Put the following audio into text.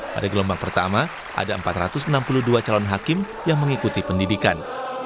pada gelombang pertama ada empat ratus enam puluh dua calon hakim yang mengikuti pendidikan